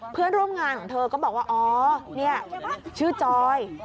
เพื่อนร่วมงานของเธอก็บอกว่าอ๋อนี่ชื่อจอย